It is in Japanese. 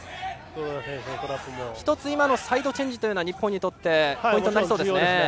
今のサイドチェンジは日本としてポイントになりそうですね。